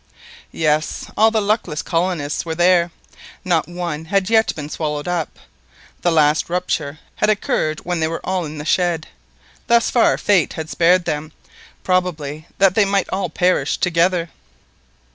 Yes! all the luckless colonists were there. Not one had yet been swallowed up. The last rupture had occurred when they were all in the shed. Thus far fate had spared them, probably that they might all perish together.